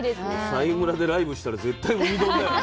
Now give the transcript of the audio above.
佐井村でライブしたら絶対ウニ丼だよね。